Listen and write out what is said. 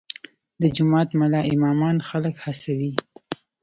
د جومات ملا امامان خلک هڅوي؟